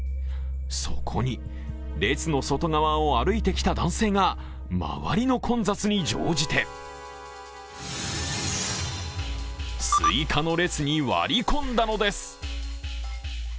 そこに列の外側を歩いてきた男性が周りの混雑に乗じて、すいかの列に割り込んだのです。